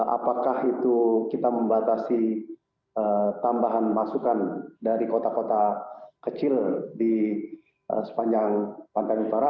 apakah itu kita membatasi tambahan masukan dari kota kota kecil di sepanjang pantai utara